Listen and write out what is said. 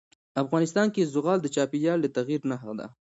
افغانستان کې زغال د چاپېریال د تغیر نښه ده.